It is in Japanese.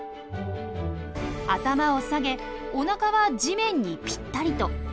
頭を下げおなかは地面にピッタリと。